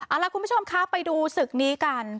เอาล่ะคุณผู้ชมคะไปดูศึกนี้กัน